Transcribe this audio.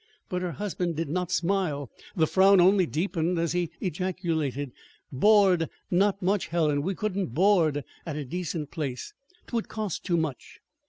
But her husband did not smile. The frown only deepened as he ejaculated: "Board! Not much, Helen! We couldn't board at a decent place. 'Twould cost too much.